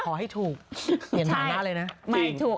ขอให้ถูกเห็นหน้าหน้าเลยนะจริง